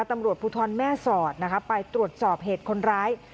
ตำรวจพุทธรแม่ศอดไปตรวจจอบเหตุคนร้าย